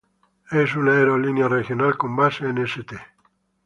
Es una aerolínea regional con base en St.